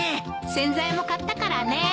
洗剤も買ったからね。